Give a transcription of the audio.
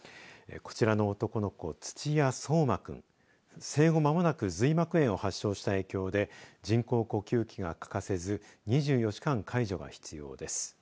こちらの男の子土屋荘真君生後まもなく髄膜炎を発症した影響で人工呼吸器が欠かせず２４時間介助が必要です。